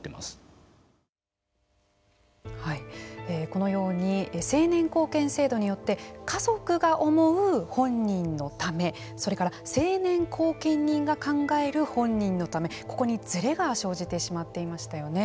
このように成年後見制度によって家族が思う本人のためそれから成年後見人が考える本人のためここにずれが生じてしまっていましたよね。